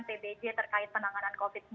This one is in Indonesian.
pbj terkait penanganan covid sembilan belas